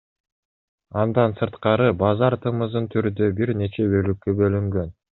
Андан сырткары базар тымызын түрдө бир нече бөлүккө бөлүнгөн.